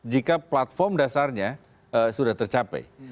jika platform dasarnya sudah tercapai